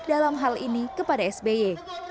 dalam hal ini kepada sby